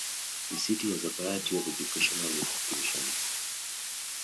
The city has a variety of educational institutions.